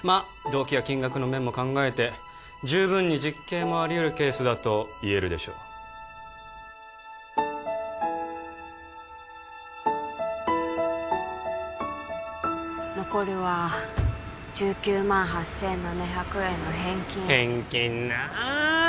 動機や金額の面も考えて十分に実刑もありえるケースだといえるでしょう残るは１９万８７００円の返金返金なあ